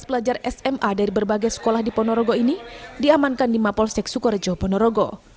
lima belas pelajar sma dari berbagai sekolah di ponorogo ini diamankan di mapolsek sukorejo ponorogo